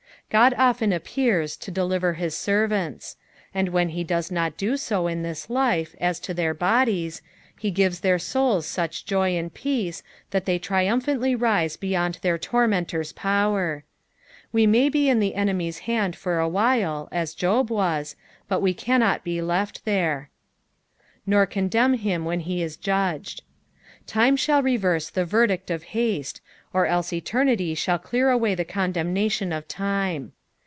God often appears to deliver his serrants, and when he does not do so in this life as to their bodies, h'e gives their eouls such joy and peace that they triumphantly rise beyond their tor meatota' power. We may do in the enemy's hand for awhile, as Job wss, but we cannot be left there. " JVbr eondenm him vhtn he it judged." Time shall TBYCTBe the verdict of haete, or else eternity shall clear sway the condemnation of time.